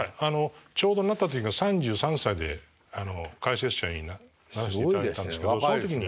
ちょうどなった時が３３歳で解説者にしていただいたんですけどその時に。